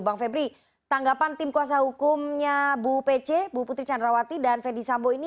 bang febri tanggapan tim kuasa hukumnya bu pece bu putri candrawati dan fedy sambo ini